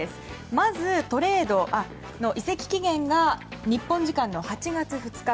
まず、移籍期限が日本時間の８月２日。